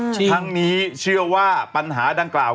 ทั้งนี้เชื่อว่าปัญหาดังกล่าว